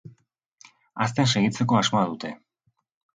Hazten segitzeko asmoa dute.